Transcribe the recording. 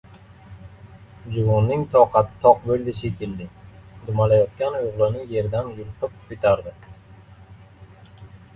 — Juvonning toqati toq bo‘ldi shekilli, dumalayotgan o‘g’lini yerdan yulqib ko‘tardi.